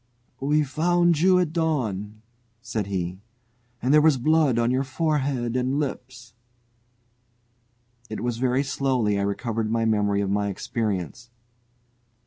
"We found you at dawn," said he, "and there was blood on your forehead and lips." It was very slowly I recovered my memory of my experience.